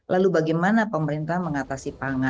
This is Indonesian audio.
lalu bagaimana pemerintah mengatasi pangan